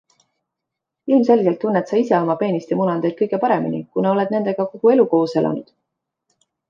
Ilmselgelt tunned sa ise oma peenist ja munandeid kõige paremini, kuna oled nendega kogu elu koos elanud.